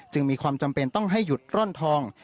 มีความจำเป็นต้องให้หยุดร่อนทอง